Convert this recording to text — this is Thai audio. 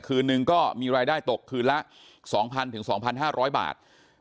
คืนนึงก็มีรายได้ตกคืนละ๒๐๐๒๕๐๐บาท